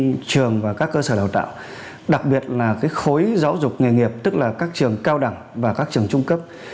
các trường và các cơ sở đào tạo đặc biệt là khối giáo dục nghề nghiệp tức là các trường cao đẳng và các trường trung cấp